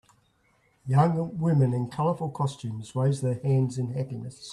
Young women in colorful costumes raise their hands in happiness.